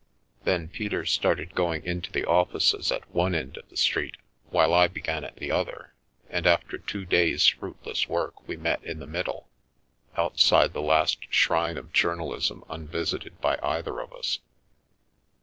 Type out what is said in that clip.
Then Peter started going into the offices at one end of the street, while I began at the other, and after two days' fruitless work we met in the middle, outside the last shrine of journalism unvisited by either of us.